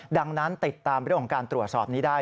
ดังนั้นติดตามเรื่องของการตรวจสอบนี้ได้